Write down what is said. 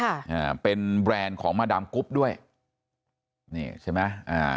อ่าเป็นแบรนด์ของมาดามกรุ๊ปด้วยนี่ใช่ไหมอ่า